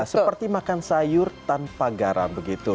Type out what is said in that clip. seperti makan sayur tanpa garam begitu